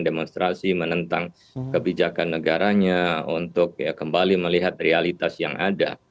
demonstrasi menentang kebijakan negaranya untuk kembali melihat realitas yang ada